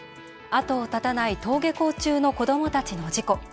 後を絶たない登下校中の子どもたちの事故。